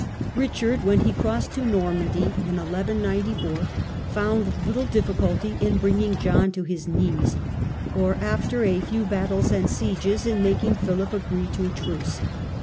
Richard, when he cros^d to Normandy in 11 94, found little difficulty in bringing John to his knees, or after a few battles and sieges in making Philip agree to a truce.